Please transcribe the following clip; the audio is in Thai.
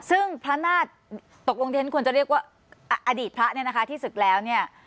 ซึ่งพระนาฏตกลงที่ฉันควรจะเรียกว่าอดีตพระเนี่ยนะคะที่ศึกแล้วเนี่ย